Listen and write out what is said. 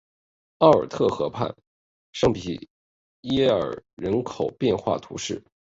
奥尔特河畔圣皮耶尔人口变化图示